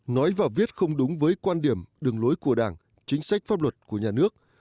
nói và viết không đúng với quan điểm đường lối của đảng chính sách pháp luật của nhà nước